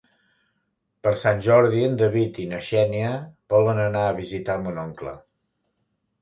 Per Sant Jordi en David i na Xènia volen anar a visitar mon oncle.